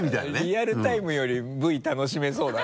リアルタイムよりＶ楽しめそうだ